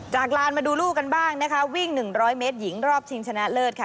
จากร้านมาดูลูกันบ้างนะคะวิ่งหนึ่งร้อยเมตรหญิงรอบชิงชนะเลิศค่ะ